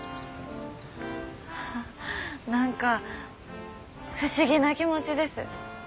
何か不思議な気持ちです。